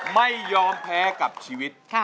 ไม่ยอมแพ้กับชีวิต